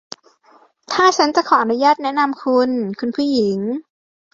ถ้าฉันจะขออนุญาตแนะนำคุณ คุณผู้หญิง